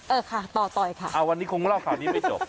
เออค่ะต่อต่อยค่ะอ่าวันนี้คงเล่าข่าวนี้ไม่จบ